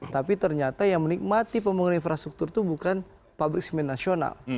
tapi ternyata yang menikmati pembangunan infrastruktur itu bukan pabrik semen nasional